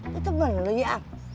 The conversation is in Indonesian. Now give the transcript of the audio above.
kau teman lu ya am